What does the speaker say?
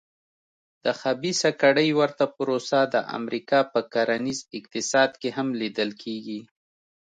د خبیثه کړۍ ورته پروسه د امریکا په کرنیز اقتصاد کې هم لیدل کېږي.